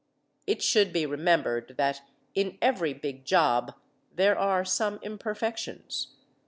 It should be remembered that in every big job there are some imperfections.